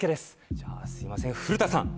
じゃあすいません古田さん。